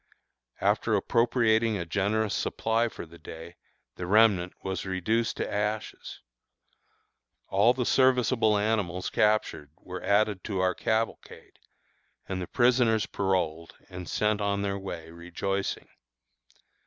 After appropriating a generous supply for the day, the remnant was reduced to ashes. All the serviceable animals captured were added to our cavalcade, and the prisoners paroled and sent on their way rejoicing.